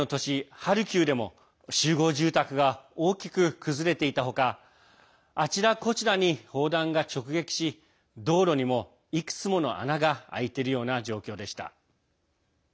ハルキウでも集合住宅が大きく崩れていた他あちらこちらに砲弾が直撃し道路にも、いくつもの穴が開いているような状況でした。